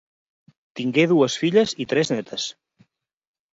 Tingué dues filles i tres nétes.